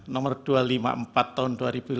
nomor dua ratus lima puluh empat tahun dua ribu lima belas